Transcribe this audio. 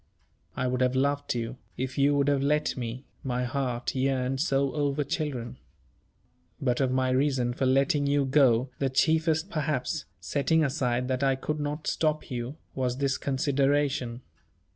I would have loved you, if you would have let me, my heart yearned so over children. But of my reason for letting you go, the chiefest perhaps setting aside that I could not stop you was this consideration.